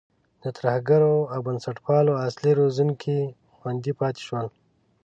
د ترهګرو او بنسټپالو اصلي روزونکي خوندي پاتې شول.